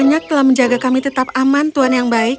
tuhan yang baik telah menjaga kami tetap aman